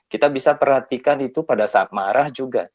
kita bisa perhatikan itu pada saat marah juga